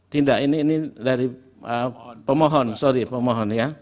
tidak ini ini dari pemohon sorry pemohon ya